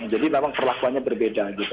jadi memang perlakuannya berbeda gitu